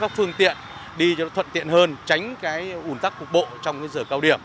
các phương tiện đi cho nó thuận tiện hơn tránh cái ủn tắc cục bộ trong cái giờ cao điểm